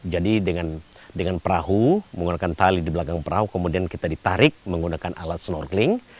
jadi dengan perahu menggunakan tali di belakang perahu kemudian kita ditarik menggunakan alat snorkeling